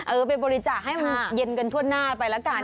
ไปบริจาคให้มันเย็นกันทั่วหน้าไปละกัน